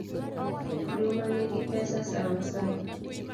Nduma nigi pesa sawasawa.